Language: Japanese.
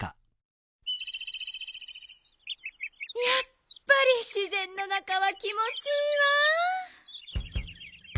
やっぱりしぜんの中は気もちいいわ！